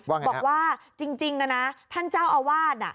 บอกว่าจริงนะท่านเจ้าอาวาส